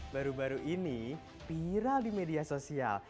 baru baru ini viral di media sosial